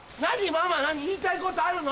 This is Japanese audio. ママ言いたいことあるの？